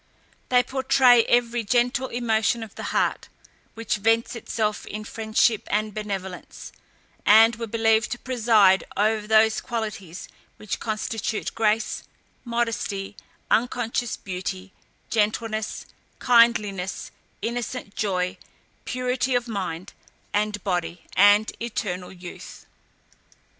They portray every gentle emotion of the heart, which vents itself in friendship and benevolence, and were believed to preside over those qualities which constitute grace, modesty, unconscious beauty, gentleness, kindliness, innocent joy, purity of mind and body, and eternal youth.